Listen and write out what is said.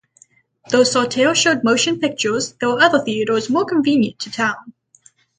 Though Saltair showed motion pictures, there were other theaters more convenient to town.